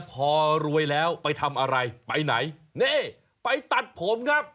พอรวยแล้วไปทำอะไรไปไหนนี่ไปตัดผมครับ